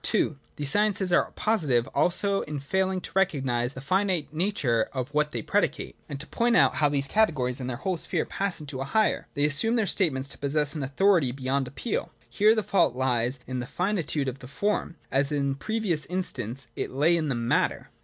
(II) These sciences are positive also in failing to recognise the finite nature of what they predicate, and to point out how these categories and their whole sphere pass into a higher. They assume their state 1 6 1 7.] POSITIVE ELEMENTS IN THE SCIENCES. 27 ments to possess an authority beyond appeal. Here the fault lies in the finitude of the form, as in the pre vious instance it lay in the matter.